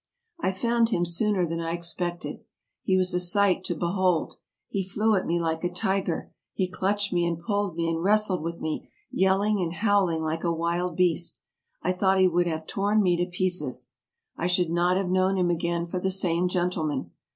I found him sooner than I expected; he was a sight to behold; he flew at me like a tiger; he clutched me, and pulled me, and wrestled with me, yelling and howl ing like a wild beast. I thought he would have torn me to pieces. I should not have known him again for the same gentleman.